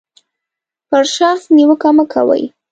پر شخص نیوکه مه کوئ.